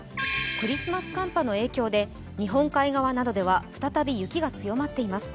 クリスマス寒波の影響で日本海側などでは再び雪が強まっています。